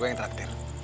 gue yang terakhir